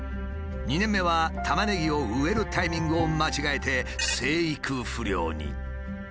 ２年目はタマネギを植えるタイミングを間違えて生育不良に。